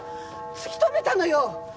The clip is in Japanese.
突き止めたのよ